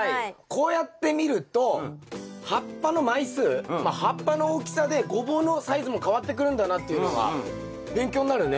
こうやって見ると葉っぱの枚数葉っぱの大きさでゴボウのサイズも変わってくるんだなっていうのが勉強になるね。